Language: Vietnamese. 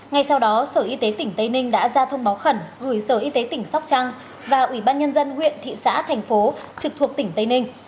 ngay sau đó sở y tế tỉnh tây ninh đã ra thông báo khẩn gửi sở y tế tỉnh sóc trăng và ủy ban nhân dân huyện thị xã thành phố trực thuộc tỉnh tây ninh